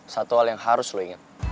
satu hal yang harus lo ingat